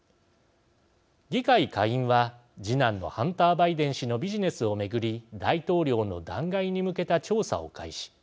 議会下院は、次男のハンター・バイデン氏のビジネスを巡り大統領の弾劾に向けた調査を開始。